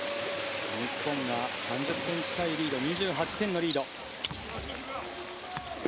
日本が３０点近いリード２８点のリード。